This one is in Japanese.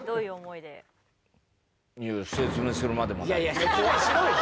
いやいや説明しろよ。